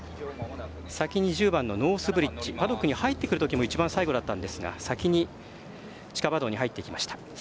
先に１０番、ノースブリッジパドックに入ってくるときも一番最後だったんですが先に地下馬道に入っていきました。